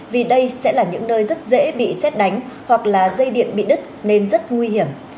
vì đây sẽ là những nơi rất dễ bị xét đánh hoặc là dây điện bị đứt nên rất nguy hiểm